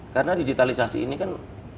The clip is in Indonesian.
karena digitalisasi ini kan